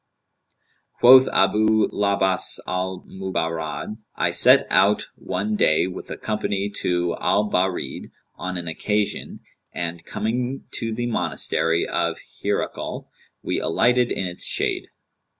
Quoth Abu 'l Abbαs al Mubarrad,[FN#198] "I set out one day with a company to Al Bαrid on an occasion and, coming to the monastery of Hirakl,[FN#199] we alighted in its shade.